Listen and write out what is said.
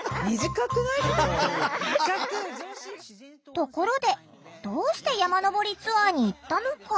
ところでどうして山登りツアーに行ったのか？